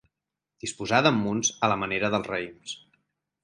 Disposada en munts a la manera dels raïms.